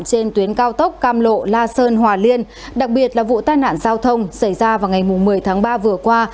trên tuyến cao tốc cam lộ la sơn hòa liên đặc biệt là vụ tai nạn giao thông xảy ra vào ngày một mươi tháng ba vừa qua